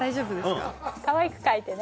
かわいく描いてね。